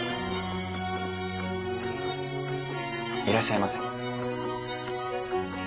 いらっしゃいませ。